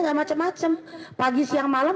gak macem macem pagi siang malam